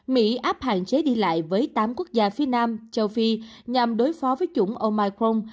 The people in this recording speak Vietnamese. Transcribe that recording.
mỹ áp hạn chế đi lại với tám quốc gia phía nam châu phi nhằm đối phó với chủng omicron